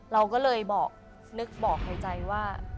เราก็เลยบอกนึกบอกในใจว่า